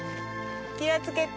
気を付けて。